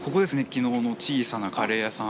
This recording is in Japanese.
昨日の小さなカレー家さん。